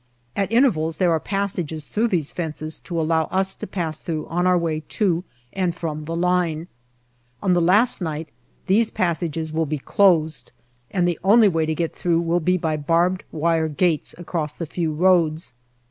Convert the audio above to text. At intervals there are passages through these fences to allow us to pass through on our way to and from the line. On DECEMBER 291 the last night these passages will be closed, and the only way to get through will be by barbed wire gates across the few roads.